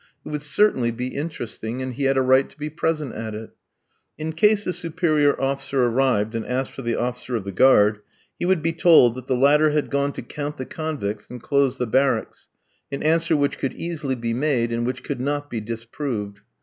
It would certainly be interesting, and he had a right to be present at it. In case the superior officer arrived and asked for the officer of the guard, he would be told that the latter had gone to count the convicts and close the barracks; an answer which could easily be made, and which could not be disproved.